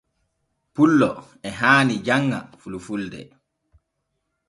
Pullo e haani janŋa fulfulde.